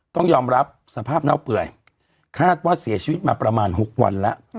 ต้องยอมรับสภาพเน่าเปื่อยคาดว่าเสียชีวิตมาประมาณ๖วันแล้ว